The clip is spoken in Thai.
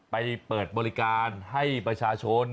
เปิดบริการให้ประชาชน